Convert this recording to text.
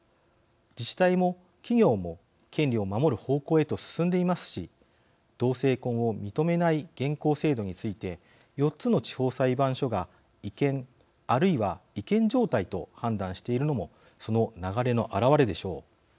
自治体も企業も権利を守る方向へと進んでいますし同性婚を認めない現行制度について４つの地方裁判所が違憲あるいは違憲状態と判断しているのもその流れの表れでしょう。